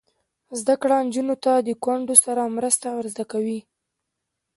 زده کړه نجونو ته د کونډو سره مرسته ور زده کوي.